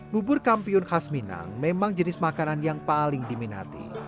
bubur kampiun khas minang memang jenis makanan yang paling diminati